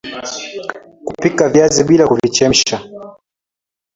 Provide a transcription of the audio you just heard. Kupika viazi bila kuvichemsha